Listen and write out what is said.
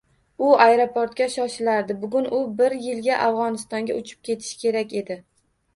U aeroportga shoshilardi, bugun u bir yilga Afg`onistonga uchib ketishi kerak edi